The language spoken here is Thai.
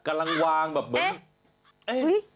กำลังวางแบบเหมือน